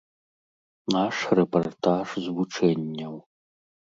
Наш рэпартаж з вучэнняў.